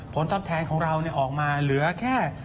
ผลอบแทนของระเราเนี่ยออกมาเหลือแค่